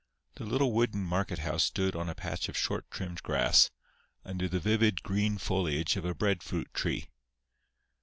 The little wooden market house stood on a patch of short trimmed grass, under the vivid green foliage of a bread fruit tree.